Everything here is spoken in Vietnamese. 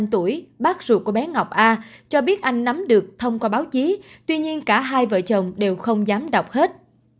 bốn mươi tuổi bác ruột của bé ngọc a cho biết anh nắm được thông qua báo chí tuy nhiên cả hai vợ chồng đều không dám đọc hết